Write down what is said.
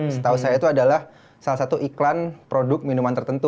setahu saya itu adalah salah satu iklan produk minuman tertentu